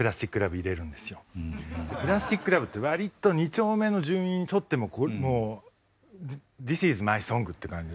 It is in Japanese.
「プラスティック・ラブ」って割と二丁目の住人にとってもディスイズマイソングって感じ